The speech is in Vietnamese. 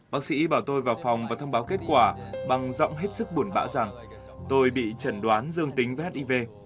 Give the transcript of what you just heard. bác sĩ bảo tôi vào phòng và thông báo kết quả bằng giọng hết sức buồn bão rằng tôi bị trần đoán dương tính với hiv